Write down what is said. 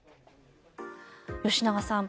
吉永さん